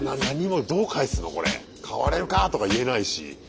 「代われるか！」とか言えないし。